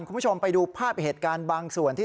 คุณผู้ชมไปดูภาพเหตุการณ์บางส่วนที่